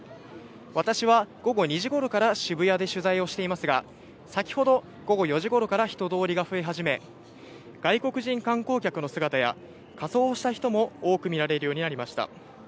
私は午後２時ごろから渋谷で取材をしていますが、先ほど午後４時ごろから人通りが増え始め、外国人観光客の姿や、仮装をした人も多く見られるようになりました。